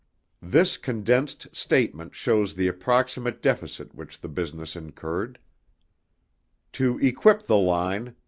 This condensed statement shows the approximate deficit which the business incurred: To equip the line